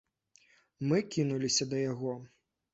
Мы кінуліся да яго.